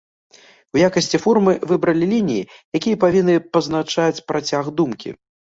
У якасці формы выбралі лініі, якія павінны пазначаць працяг думкі.